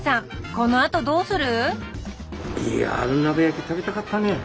このあとどうする？